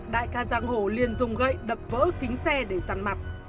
đại ca giang hồ liền dùng gậy đập vỡ kính xe để răn mặt